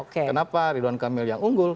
kenapa ridwan kamil yang unggul